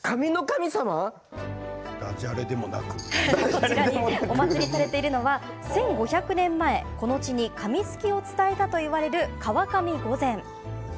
こちらにお祭りされているのは１５００年前、この地に紙すきを伝えたといわれる川上御前。